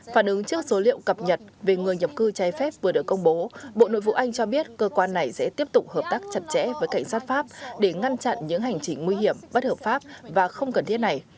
phản ứng trước số liệu cập nhật về người nhập cư trái phép vừa được công bố bộ nội vụ anh cho biết cơ quan này sẽ tiếp tục hợp tác chặt chẽ với cảnh sát pháp để ngăn chặn những hành trình nguy hiểm bất hợp pháp và không cần thiết này